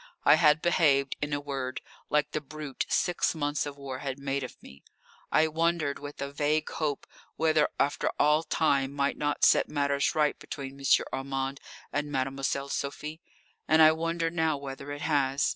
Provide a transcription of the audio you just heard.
I had behaved, in a word, like the brute six months of war had made of me. I wondered with a vague hope whether after all time might not set matters right between M. Armand and Mademoiselle Sophie. And I wonder now whether it has.